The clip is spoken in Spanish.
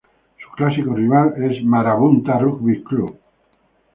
Su clásico rival es Marabunta Rugby Club.